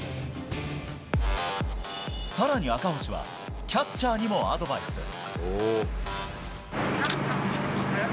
更に、赤星はキャッチャーにもアドバイス。